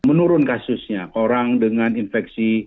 menurun kasusnya orang dengan infeksi